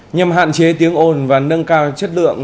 nhằm hạn chế tiếng ồn và nâng cao chất lượng